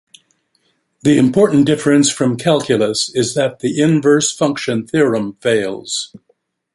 The important difference from calculus is that the inverse function theorem fails.